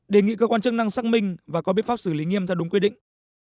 đề nghị cơ quan chức năng xác minh và có biết pháp xử lý nghiêm theo đúng quy định